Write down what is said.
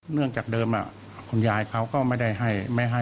เนื่องจากเดิมคุณยายเขาก็ไม่ได้ให้ไม่ให้